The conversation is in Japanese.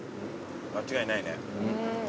間違いないね。